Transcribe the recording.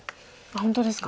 本当ですか。